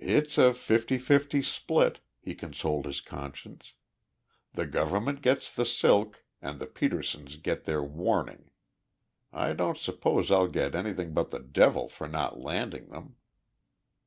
"It's a fifty fifty split," he consoled his conscience. "The government gets the silk and the Petersens get their warning. I don't suppose I'll get anything but the devil for not landing them!"